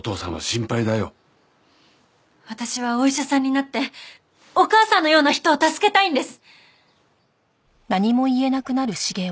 私はお医者さんになってお母さんのような人を助けたいんです。